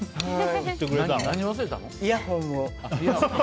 何忘れたの？